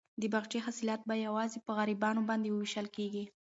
د باغچې حاصلات به یوازې په غریبانو باندې وېشل کیږي.